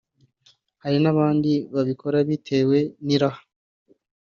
hari n’abandi babikora bitewe n’iraha